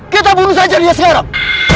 kita bunuh saja dia sekarang